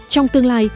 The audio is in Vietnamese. trong tương lai